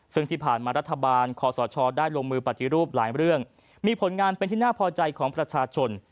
ซึ่งที่ผ่านมารัฐบาลคอสชได้ลงมือปฏิรูปหลายเรื่องมีผลงานเป็นที่น่าพอใจของประชาชน